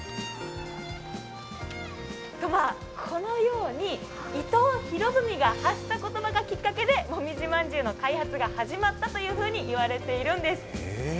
と、まあ、このように伊藤博文が発した言葉がきっかけでもみじ饅頭の開発が始まったというふうに言われているんです。